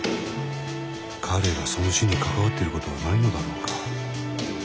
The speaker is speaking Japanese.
彼がその死に関わっていることはないのだろうか。